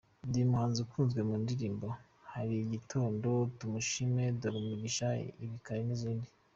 Ni umuhanzi ukunzwe mu ndirimbo; Hari igitondo, Tumushime, Dore umugisha, Ibikari n'izindi.